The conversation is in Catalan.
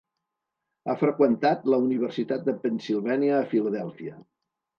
Ha freqüentat la Universitat de Pennsilvània a Filadèlfia.